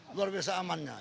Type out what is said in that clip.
luar biasa amannya